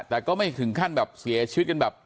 แต่ก็ไม่ถึงขั้นแบบเสียชีวิตกันแบบ